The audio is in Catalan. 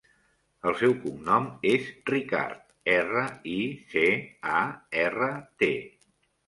El seu cognom és Ricart: erra, i, ce, a, erra, te.